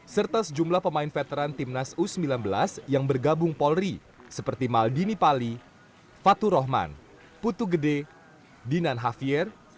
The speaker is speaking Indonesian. serta sejumlah pemain veteran timnas u sembilan belas yang bergabung polri seperti maldini pali fatu rohman putu gede dinan hafier